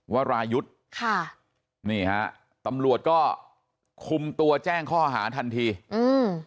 วรายุทธ์ค่ะนี่ฮะตำรวจก็คุมตัวแจ้งข้อหาทันทีอืม